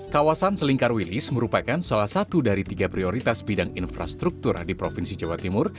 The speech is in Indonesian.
kawasan selingkar wilis merupakan salah satu dari tiga prioritas bidang infrastruktur di provinsi jawa timur